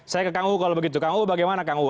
saya ke kang u kalau begitu kang u bagaimana kang u